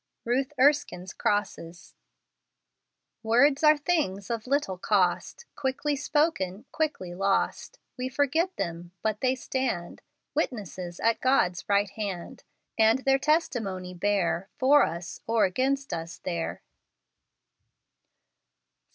Ruth Erskine'a Crosses. " floras are things of little cost, Quickly spoken, quickly lost; We forget them, but they stand Witnesses at God's right hand; And their testimony bear For us, or against us there" 17.